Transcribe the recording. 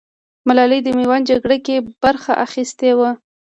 ملالۍ د ميوند جگړه کې برخه اخيستې وه.